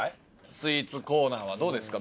スイーツコーナーはどうですか？